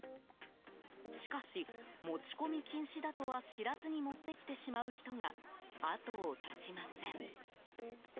しかし持ち込み禁止だとは知らずに持ってきてしまう人が後を絶ちません。